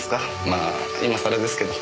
まあ今さらですけど。